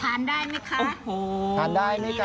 ทานได้มั้ยคะทานได้มั้ยคะ